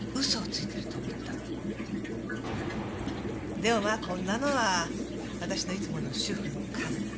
でもまあこんなのは私のいつもの主婦の勘。